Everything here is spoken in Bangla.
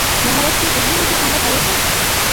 মহারাজ কি ইহারই মধ্যে সংবাদ পাইয়াছেন?